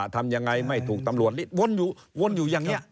ทำยังไงไม่ถูกตำรวจลีด